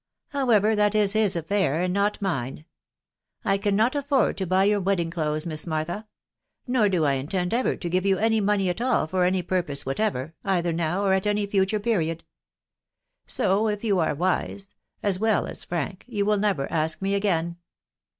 However, that is his affair, and not mine. I cannot afford to buy your wedding clothes, Miss Martha ; nor do I intend ever to give you any money at all for any purpose whatever, either now, or at any future period ; so, if you are wise, as well as frank, you will never ask me again.